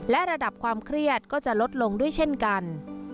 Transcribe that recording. และระดับความเครียดก็จะลดลงด้วยเช่นกัน